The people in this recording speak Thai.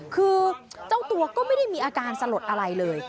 คือเจ้าตัวก็ไม่ได้มีอาการสลดอะไรเลย